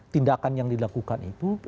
tindakan yang dilakukan itu